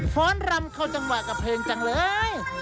้อนรำเข้าจังหวะกับเพลงจังเลย